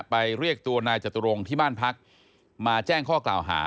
เรียกตัวนายจตุรงค์ที่บ้านพักมาแจ้งข้อกล่าวหา